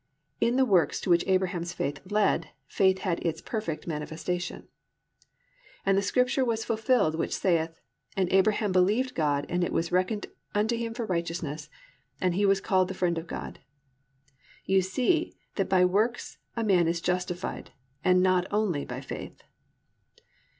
in the works to which Abraham's faith led, faith had its perfect manifestation); +and the scripture was fulfilled which saith, and Abraham believed God, and it was reckoned unto him for righteousness; and he was called the friend of God. Ye see that by works a man is justified, and not only by faith."